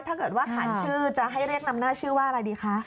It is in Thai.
ถ้าเกิดว่าขานชื่อจะให้เรียกนำหน้าชื่อว่าอะไรดีคะ